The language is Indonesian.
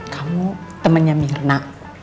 kamu temennya mirna